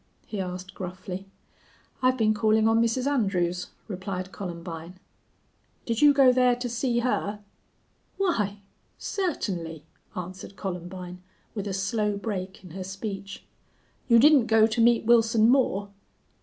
he asked, gruffly. "I've been calling on Mrs. Andrews," replied Columbine. "Did you go thar to see her?" "Why certainly!" answered Columbine, with a slow break in her speech. "You didn't go to meet Wilson Moore?"